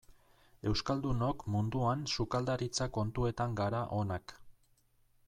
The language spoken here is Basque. Euskaldunok munduan sukaldaritza kontuetan gara onak.